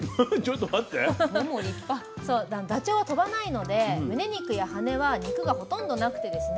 ダチョウは飛ばないのでむね肉や羽は肉がほとんどなくてですね